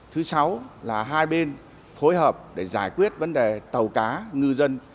thứ sáu là hai bên phối hợp để giải quyết vấn đề tàu cá ngư dân